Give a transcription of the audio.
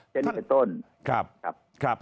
เช่นเป็นต้น